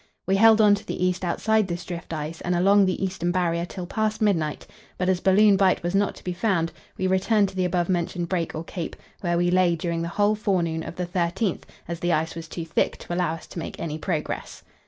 We held on to the east outside this drift ice and along the eastern Barrier till past midnight, but as Balloon Bight was not to be found, we returned to the above mentioned break or cape, where we lay during the whole forenoon of the 13th, as the ice was too thick to allow us to make any progress.